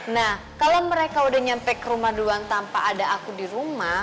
nah kalau mereka udah nyampe ke rumah duluan tanpa ada aku di rumah